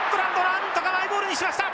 なんとかマイボールにしました。